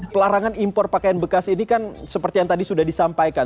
pelarangan impor pakaian bekas ini kan seperti yang tadi sudah disampaikan